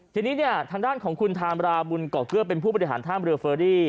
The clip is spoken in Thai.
ทีนี้เนี่ยทางด้านของคุณธามราบุญกอกเกลือเป็นผู้บริหารท่ามเรือเฟอรี่